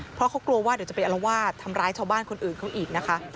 เพราะเขากลัวว่าเดี๋ยวจะไปอลวาดทำร้ายชาวบ้านคนอื่นเขาอีกนะคะ